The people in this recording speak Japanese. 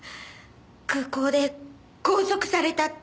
空港で拘束されたって。